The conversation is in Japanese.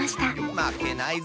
まけないぞ！